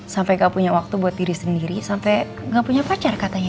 sampai gak punya waktu buat diri sendiri sampai gak punya pacar katanya